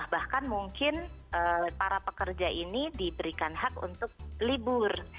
bahkan mungkin para pekerja ini diberikan hak untuk libur